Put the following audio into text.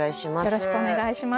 よろしくお願いします。